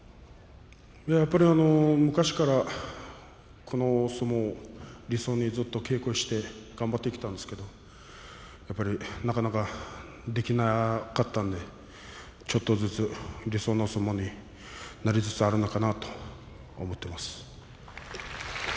やっぱり昔からこの相撲を理想に稽古してきましたのでやっぱり、なかなかできなかったんでちょっとずつ、理想の相撲になりつつあるのかなと思っています。